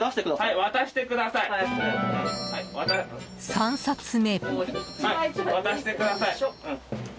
３冊目。